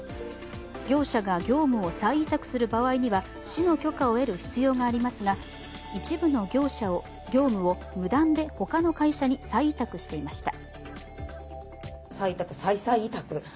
業者が業務を再委託する場合には市の許可を得る必要がありますが一部の業務を無断で他の会社に再委託していました。